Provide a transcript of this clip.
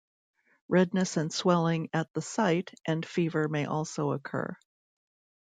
Redness and swelling at the site and fever may also occur.